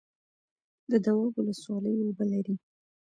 د دواب ولسوالۍ اوبه لري